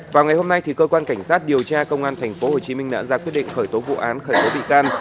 vào ngày hôm nay cơ quan cảnh sát điều tra công an tp hồ chí minh đã ra quyết định khởi tố vụ án khởi tố bị can